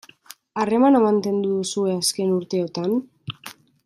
Harremana mantendu duzue azken urteotan?